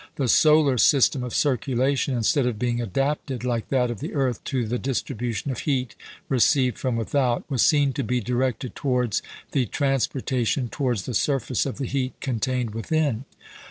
The solar system of circulation, instead of being adapted, like that of the earth, to the distribution of heat received from without, was seen to be directed towards the transportation towards the surface of the heat contained within.